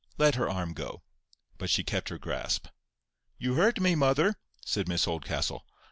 Let her arm go." But she kept her grasp. "You hurt me, mother," said Miss Oldcastle.